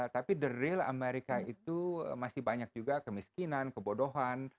tapi the real amerika itu masih banyak juga kemiskinan kebodohan